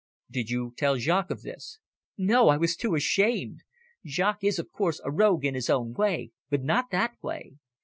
"Did you tell Jaques of this?" "No, I was too ashamed. Jaques is, of course, a rogue in his own way, but not that way.